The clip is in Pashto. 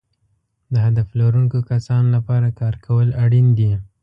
د هدف لرونکو کسانو لپاره کار کول اړین دي.